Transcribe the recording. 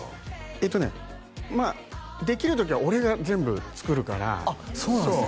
えっとねまあできる時は俺が全部作るからあっそうなんですね